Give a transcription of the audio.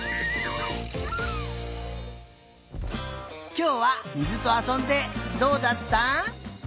きょうはみずとあそんでどうだった？